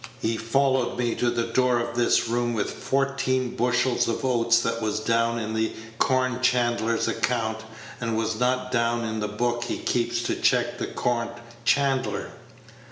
He followed me to the door of this room with fourteen bushels of oats that was down in the corn chandler's account and was not down in the book he keeps to check the corn chandler.